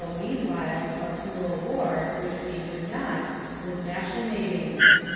f'^l' while, a cruel war, which we knew not, was machinating.